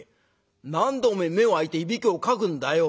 何でおめえ目を開いてイビキをかくんだよ」。